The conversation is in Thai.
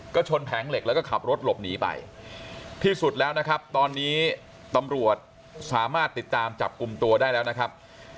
ก็ชนแผงเหล็กแล้วก็ขับรถหลบหนีไปที่สุดแล้วนะครับตอนนี้ตำรวจสามารถติดตามจับกลุ่มตัวได้แล้วนะครับ